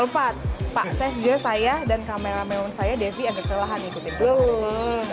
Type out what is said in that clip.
pak csg saya dan kamerameun saya devi agak telahan ikutin